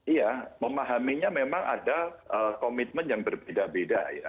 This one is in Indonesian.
iya memahaminya memang ada komitmen yang berbeda beda ya